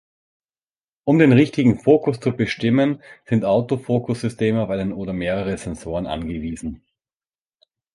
Um den richtigen Fokus zu bestimmen, sind Autofokussysteme auf einen oder mehrere Sensoren angewiesen.